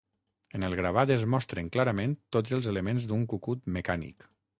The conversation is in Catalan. En el gravat es mostren clarament tots els elements d'un cucut mecànic.